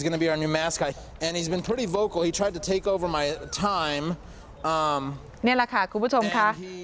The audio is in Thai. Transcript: นี่แหละค่ะคุณผู้ชมค่ะ